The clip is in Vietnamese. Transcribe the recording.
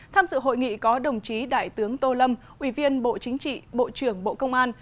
tham dự hội nghị có đồng chí đại tướng tô lâm ủy viên bộ chính trị bộ trưởng bộ công an